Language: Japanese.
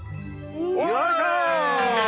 よいしょ！